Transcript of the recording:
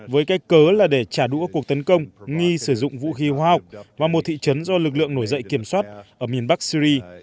với cái cớ là để trả đũa cuộc tấn công nghi sử dụng vũ khí hóa học vào một thị trấn do lực lượng nổi dậy kiểm soát ở miền bắc syri